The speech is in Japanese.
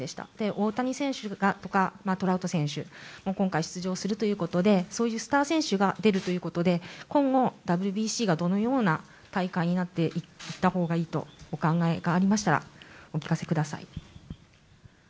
大谷選手やトラウト選手も今回、出場するということでそういうスター選手が出るということで、今後ＷＢＣがどのような大会になっていったほうがいいとお考えですか？